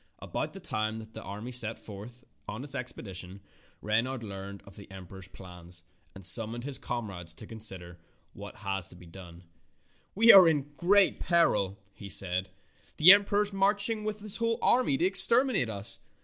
About the time that the army set forth on its expedition Reynard learned of the em peror's plans and summoned his comrades to consider what was to be done. "We are in great peril," he said. "The emperor is marching with his whole army to exterminate us.